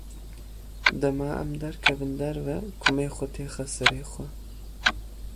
Dema em derkevin derve kumê xwe têxe serê xwe.